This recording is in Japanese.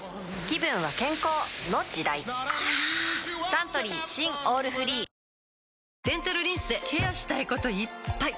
ぷはぁサントリー新「オールフリー」デンタルリンスでケアしたいこといっぱい！